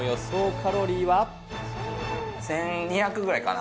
カロリ１２００ぐらいかな。